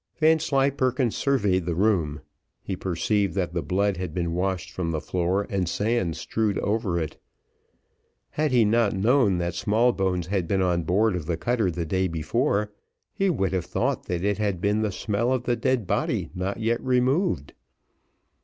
Vanslyperken surveyed the room, he perceived that the blood had been washed from the floor and sand strewed over it. Had he not known that Smallbones had been on board of the cutter the day before, he would have thought that it had been the smell of the dead body not yet removed.